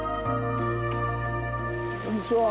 こんにちは。